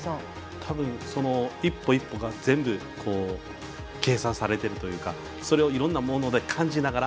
たぶん、一歩一歩が全部計算されてるというかそれをいろんなもので感じながら。